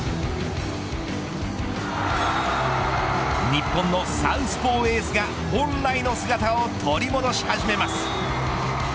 日本のサウスポーエースが本来の姿を取り戻し始めます。